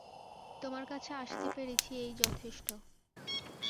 তোমার কাছে আসতে পেরেছি এই যথেষ্ট।